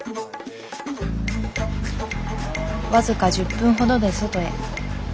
僅か１０分ほどで外へ。